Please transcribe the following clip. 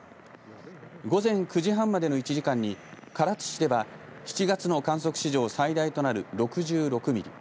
午前９時半までの１時間に唐津市では７月の観測史上最大となる６６ミリ